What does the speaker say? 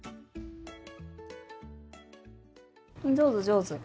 上手上手。